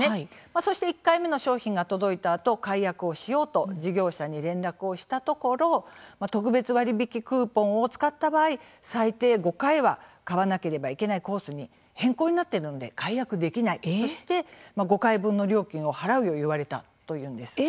そして１回目の商品が届いたあと解約をしようと事業者に連絡をしたところ特別割引クーポンを使った場合最低５回は買わなければいけないコースに変更になっているので解約できないとして５回分の料金を払うようにいわれたというんです。